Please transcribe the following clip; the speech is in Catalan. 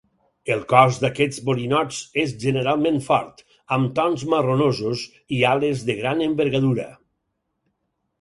El cos d'aquests borinots és generalment fort, amb tons marronosos, i ales de gran envergadura.